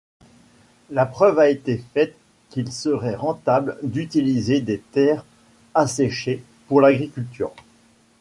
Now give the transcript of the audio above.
La preuve a été faite qu'il serait rentable d'utiliser des terres asséchées pour l'agriculture.